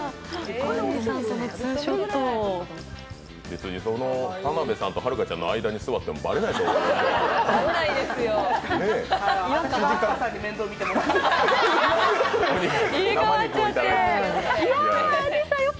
別に田辺さんとはるかちゃんの間に座ってもばれないと思いますよ。